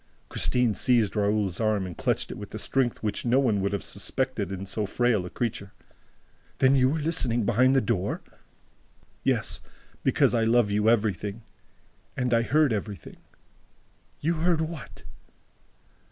'" Christine seized Raoul's arm and clutched it with a strength which no one would have suspected in so frail a creature. "Then you were listening behind the door?" "Yes, because I love you everything ... And I heard everything ..." "You heard what?"